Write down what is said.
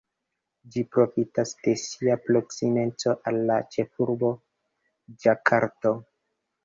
Ĝi profitas de sia proksimeco al la ĉefurbo, Ĝakarto.